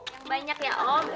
yang banyak ya om